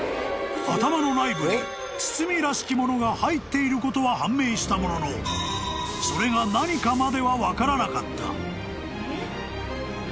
［頭の内部に包みらしきものが入っていることは判明したもののそれが何かまでは分からなかった］